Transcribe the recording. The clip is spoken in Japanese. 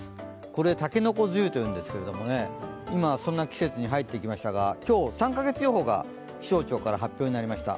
これを竹の子梅雨と言うんですけど今、そんな季節に入ってきましたが今日、３カ月予報が気象庁から発表になりました。